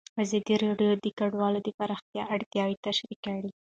ازادي راډیو د کډوال د پراختیا اړتیاوې تشریح کړي.